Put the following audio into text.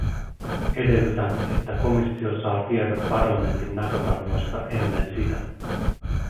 Edellytän, että komissio saa tiedon parlamentin näkökannoista ennen sitä.